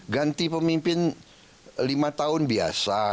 ganti pemimpin lima tahun biasa